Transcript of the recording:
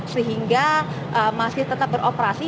sehingga masih tetap beroperasi